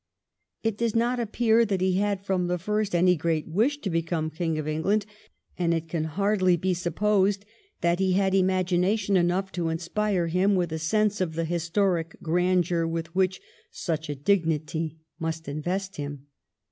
It does not appear that he had from the first any great wish to become King of England, and it can hardly be sup posed that he had imagination enough to inspire him with a sense of the historic grandeur with which such a dignity must invest him.